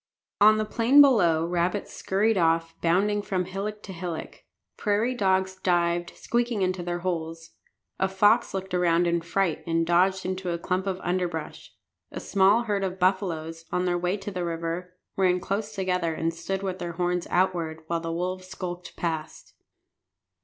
On the plain below rabbits scurried off, bounding from hillock to hillock. Prairie dogs dived, squeaking, into their holes. A fox looked around in fright, and dodged into a clump of underbrush. A small herd of buffaloes, on their way to the river, ran close together and stood with their horns outward, while the wolves skulked past.